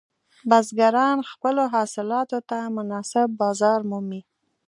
بزګران خپلو حاصلاتو ته مناسب بازار مومي.